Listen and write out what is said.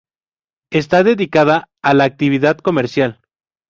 Está dedicado a la actividad comercial.